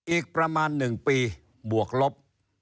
อีกประมาณ๑ปีบวกลบ